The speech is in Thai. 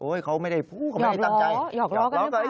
โอ๊ยเขาไม่ได้พูบเขาก็ไม่ได้ตามใจ